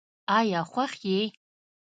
آیا خوښ یې؟